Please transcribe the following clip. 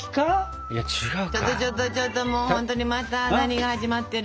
ちょっとちょっとちょっともうほんとにまた何が始まってる？